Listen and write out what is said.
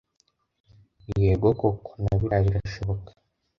yego koko na biriya birashoboka